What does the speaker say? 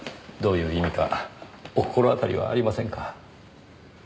どういう意味かお心当たりはありませんか？